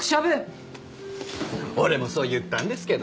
俺もそう言ったんですけど。